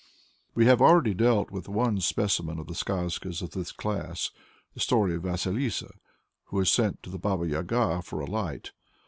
We have already dealt with one specimen of the skazkas of this class, the story of Vasilissa, who is sent to the Baba Yaga's for a light.